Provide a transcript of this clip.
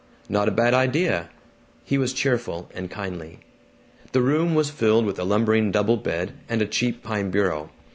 "Not a bad idea." He was cheerful and kindly. The room was filled with a lumbering double bed and a cheap pine bureau.